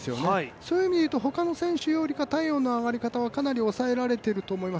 そういう意味で言うと、他の選手よりは体温の上がり方はかなり抑えられていると思います。